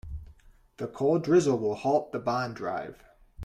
The cold drizzle will halt the bond drive.